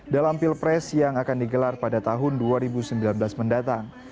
dalam pilpres yang akan digelar pada tahun dua ribu sembilan belas mendatang